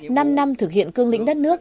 năm năm thực hiện cương lĩnh đất nước